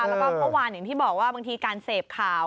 แล้วก็เมื่อวานอย่างที่บอกว่าบางทีการเสพข่าว